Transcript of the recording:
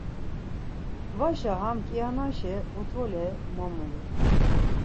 Vaşa ham kianaşa utole mo mulurt.